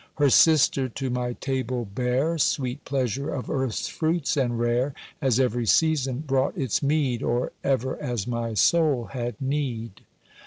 Her sister to my table bare Sweet pleasure of earth's fruits and rare, As every season brought its meed Or ever as my soul had need.